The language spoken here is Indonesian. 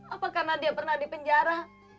apakah nadia pernah di penjara